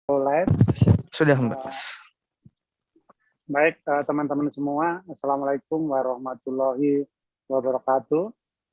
oleh sudah mbak baik teman teman semua assalamualaikum warahmatullahi wabarakatuh